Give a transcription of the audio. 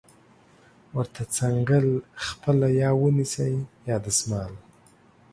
ورته څنګل خپله یا ونیسئ دستمال